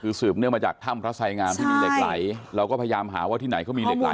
คือสืบเนื่องมาจากถ้ำพระไสงามที่มีเหล็กไหลเราก็พยายามหาว่าที่ไหนเขามีเหล็กไหล